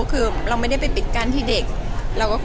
คือเราไม่ได้ไปปิดกั้นที่เด็ก